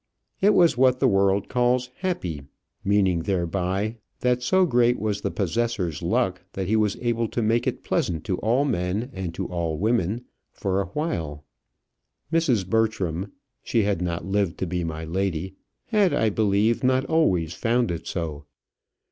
It was what the world calls happy, meaning thereby, that so great was the possessor's luck that he was able to make it pleasant to all men, and to all women for a while. Mrs. Bertram she had not lived to be my lady had, I believe, not always found it so.